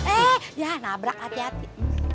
eh ya nabrak hati hati